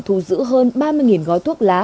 thu giữ hơn ba mươi gói thuốc lá